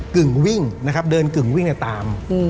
กึ่งวิ่งนะครับเดินกึ่งวิ่งตาม